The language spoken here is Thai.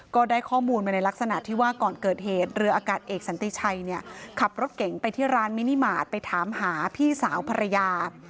ก็ได้ข้อมูลมาในลักษณะที่ว่าก่อนเกิดเหตุเรืออากาศเอกสันติชัยเนี่ยขับรถเก่งไปที่ร้านมินิมาตรไปถามหาพี่สาวภรรยา